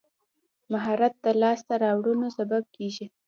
مهارت د لاسته راوړنو سبب کېږي.